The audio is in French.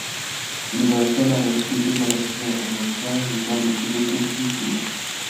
Universal avait refusé d'en assurer la promotion, jugeant le sujet trop difficile.